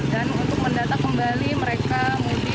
dan untuk mendata kembali mereka mudik